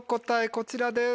こちらです。